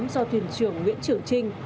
do thuyền trưởng nguyễn trưởng trinh